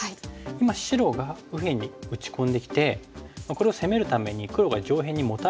今白が右辺に打ち込んできてこれを攻めるために黒が上辺にモタれていってる感じですかね。